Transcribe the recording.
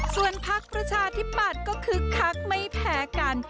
ส่วนพักประชาธิปัตย์ก็คึกคักไม่แพ้กัน